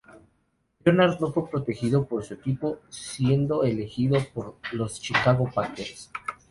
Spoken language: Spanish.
Leonard no fue protegido por su equipo, siendo elegido por los Chicago Packers.